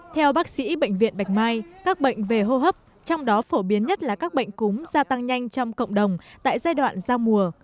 theo bác sĩ bệnh viện bạch mai các bệnh về hô hấp trong đó phổ biến nhất là các bệnh cúm gia tăng nhanh trong cộng đồng tại giai đoạn giao mùa